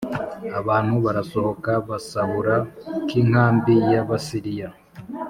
Abantu barasohoka basahura k inkambi y Abasiriya